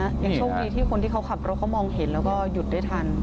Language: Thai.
ยังโชคดีที่คนที่เขาขับรถเขามองเห็นแล้วก็หยุดได้ทัน